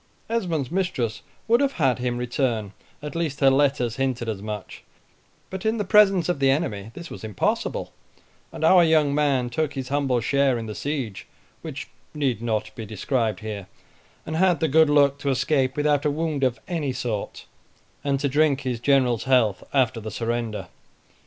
Esmond's mistress would have had him return, at least her letters hinted as much; but in the presence of the enemy this was impossible, and our young man took his humble share in the siege, which need not be described here, and had the good luck to escape without a wound of any sort, and to drink his general's health after the surrender.